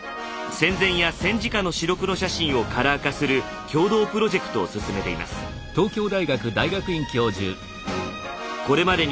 戦前や戦時下の白黒写真をカラー化する共同プロジェクトを進めています。